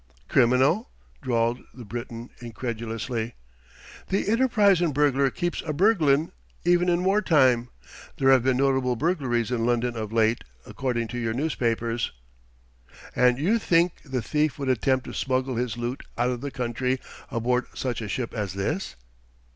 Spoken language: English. "Criminal?" drawled the Briton incredulously. "The enterprisin' burglar keeps a burglin', even in war time. There have been notable burglaries in London of late, according to your newspapers." "And you think the thief would attempt to smuggle his loot out of the country aboard such a ship as this?"